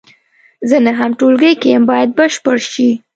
زه نهم ټولګي کې یم باید بشپړ شي.